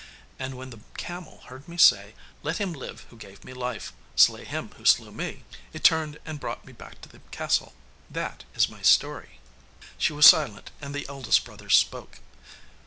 And when the camel heard me say "Let him live who gave me life, slay him who slew me!" it turned and brought me back to the castle. That is my story.' She was silent and the eldest brother spoke.